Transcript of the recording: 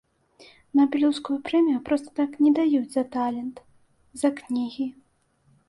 Нобелеўскую прэмію проста так не даюць за талент, за кнігі.